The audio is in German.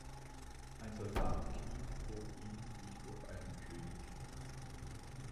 Ein Soldat kniet vor ihm wie vor einem König.